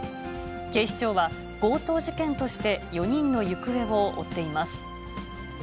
警視庁は、強盗事件として４人の行方を追っています。